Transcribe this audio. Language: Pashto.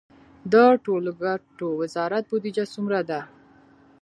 د ټولګټو وزارت بودیجه څومره ده؟